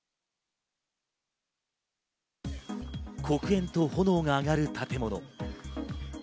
黒煙と炎が上がる建物。